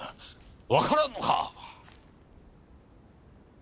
わからんのか！